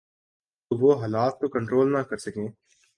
تو وہ حالات کو کنٹرول نہ کر سکیں۔